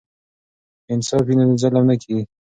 که انصاف وي نو ظلم نه کیږي.